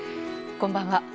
こんばんは。